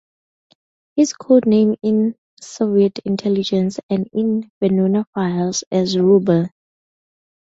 His code name in Soviet intelligence and in the Venona files is "Ruble".